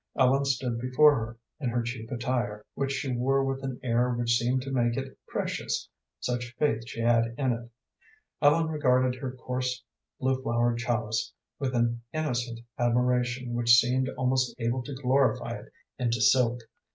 Ellen stood before her, in her cheap attire, which she wore with an air which seemed to make it precious, such faith she had in it. Ellen regarded her coarse blue flowered challis with an innocent admiration which seemed almost able to glorify it into silk.